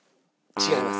違います。